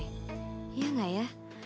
iya gak ya